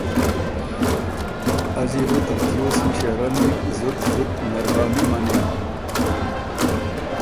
از يې بو ترتیوس مِݭېرنی زُت زُت مهرباني منِم